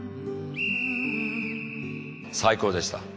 最高でした。